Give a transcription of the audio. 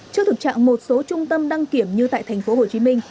trước thực trạng một số trung tâm đăng kiểm như tại thành phố hồ chí minh